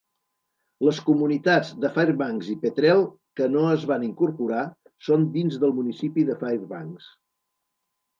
Les comunitats de Fairbanks i Petrel que no es van incorporar, són dins del municipi de Fairbanks.